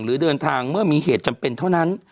หรือเดินทางเมื่อมีเหตุจำเป็นเท่านั้น